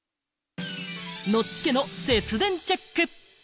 ノッチ家の節電チェック。